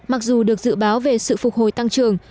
mặc dù được dự báo về sự phục hồi tăng trưởng